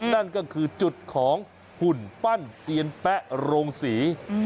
นั่นก็คือจุดของหุ่นปั้นเซียนแป๊ะโรงศรี